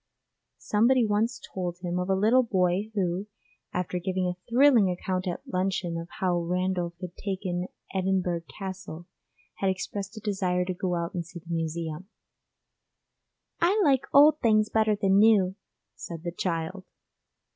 Somebody once told him of a little boy who, after giving a thrilling account at luncheon of how Randolph had taken Edinburgh Castle, had expressed a desire to go out and see the Museum; 'I like old things better than new,' said the child!